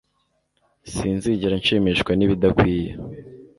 sinzigera nshimishwa n'ibidakwiye